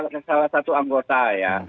ya ya makanya ini kan saya salah satu anggota ya